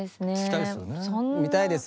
見たいですね。